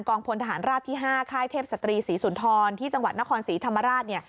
พลทหารราบที่๕ค่ายเทพศตรีศรีสุนทรที่จังหวัดนครศรีธรรมราชเนี่ย